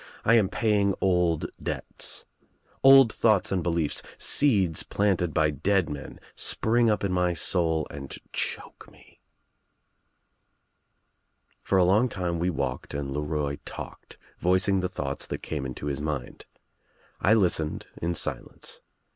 I am paying old debts. Old thoughts and beliefs — seeds planted by dead men — spring up In my soul and choke me." For a long time wc walked and LeRoy talked, voic ing the thoughts that came into his mind. I listened in silence.